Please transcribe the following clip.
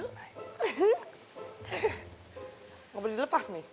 nggak boleh dilepas nih